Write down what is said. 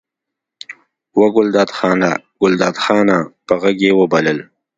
وه ګلداد خانه! ګلداد خانه! په غږ یې وبلل.